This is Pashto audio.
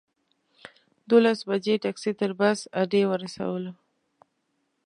دولس بجې ټکسي تر بس اډې ورسولو.